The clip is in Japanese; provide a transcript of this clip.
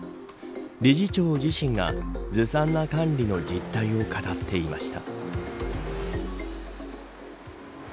理事長自身が、ずさんな管理の実態を語っていました。